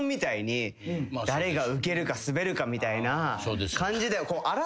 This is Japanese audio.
誰がウケるかスベるかみたいな感じで争ってる。